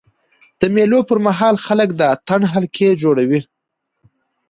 د مېلو پر مهال خلک د اتڼ حلقې جوړوي.